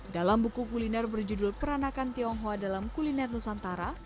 dalam buku kuliner berjudul peranakan tionghoa dalam kuliner nusantara